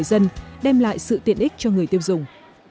vnpt pay sẽ giúp đỡ người dân đem lại sự tiện ích cho người tiêu dùng